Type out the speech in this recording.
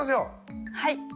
はい。